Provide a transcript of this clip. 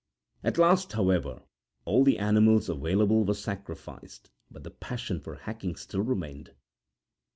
At last, however, all the animals available were sacrificed; but the passion for hacking still remained.